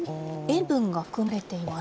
塩分が含まれています。